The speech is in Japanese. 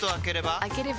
開ければ。